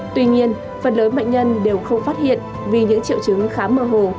tuy nhiên phần lớn bệnh nhân đều không phát hiện vì những triệu chứng khá mơ hồ